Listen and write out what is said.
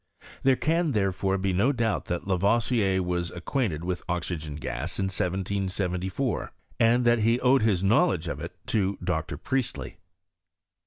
There can, there fore, be no doubt that Lavoisier was acquainted with oxygen gas in 1 774, and that he owed his know ledge of it to Dr. Priestley.